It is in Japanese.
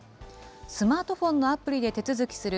スマートフォンのアプリで手続きする